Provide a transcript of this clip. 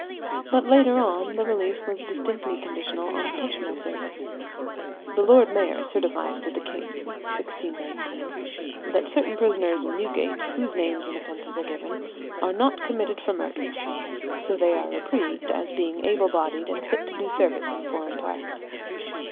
But later on the release was distinctly conditional on personal service. The lord mayor certifies to the king (1619) that certain prisoners in Newgate, whose names and offences are given, are not committed for murder; so they are reprieved, as being able bodied and fit to do service in foreign parts.